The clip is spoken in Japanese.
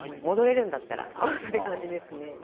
戻れるんだったらって感じですね。